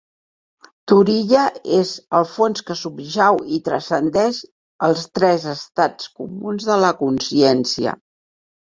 Turiya és el fons que subjau i transcendeix els tres estats comuns de la consciència.